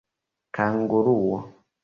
kanguruo